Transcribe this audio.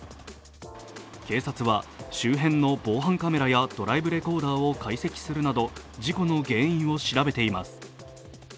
警察は周辺の防犯カメラやドライブレコーダーを解析するなど、事故の原因を調べています。